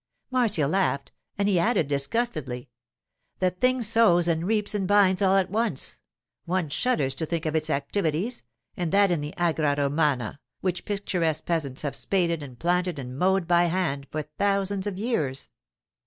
Marcia laughed, and he added disgustedly: 'The thing sows and reaps and binds all at once. One shudders to think of its activities—and that in the Agra Romana, which picturesque peasants have spaded and planted and mowed by hand for thousands of years.